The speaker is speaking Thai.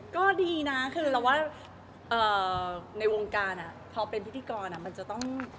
ก็ดีนะคือเราว่าในวงการพอเป็นพิธีกรมันจะต้อง